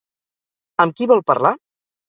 Amb qui vol parlar?